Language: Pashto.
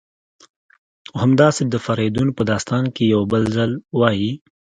همداسې د فریدون په داستان کې یو بل ځل وایي: